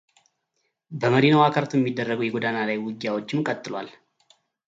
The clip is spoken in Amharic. በመዲናዋ ካርቱም የሚደረገው የጎዳና ላይ ውጊያዎችም ቀጥሏል።